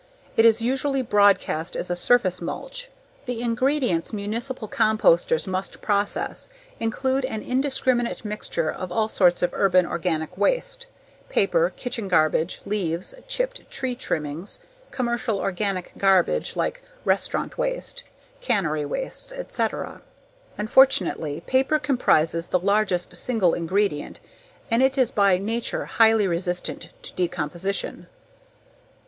It is usually broadcast as a surface mulch. The ingredients municipal composters must process include an indiscriminate mixture of all sorts of urban organic waste: paper, kitchen garbage, leaves, chipped tree trimmings, commercial organic garbage like restaurant waste, cannery wastes, etc. Unfortunately, paper comprises the largest single ingredient and it is by nature highly resistant to decomposition.